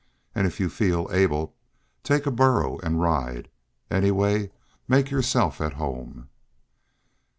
And if you feel able, take a burro and ride. Anyway, make yourself at home."